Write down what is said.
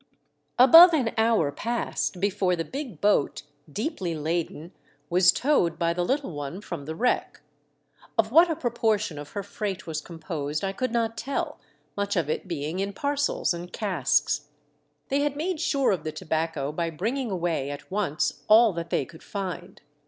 Above an hour passed before the big boat, deeply laden, was towed by the little one THE DUTCHMEN OBTAIN REFRESHMENTS. 2>'^^ from the wreck. Of what a proportion of her freight was composed I could not tell, much of it being in parcels and casks. They had made sure of the tobacco by bringing away, at once, all that they could find.